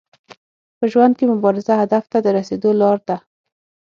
په ژوند کي مبارزه هدف ته د رسیدو لار ده.